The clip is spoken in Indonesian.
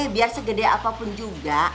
biar segede apapun juga